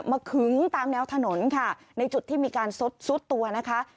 ขึงตามแนวถนนค่ะในจุดที่มีการซุดซุดตัวนะคะ